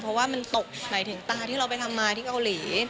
เพราะว่ามันตกหมายถึงตาที่เราไปทำมาที่เกาหลี